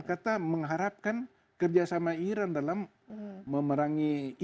kata mengharapkan kerjasama iran dalam memerangi isis ini